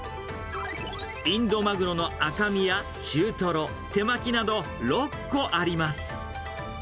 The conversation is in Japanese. インドマグロの赤身や中トロ、手巻きなど、６個あります。